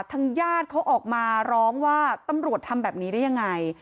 ทางญาติเขาออกมาร้องว่าตำรวจทำแบบนี้ได้ยังไง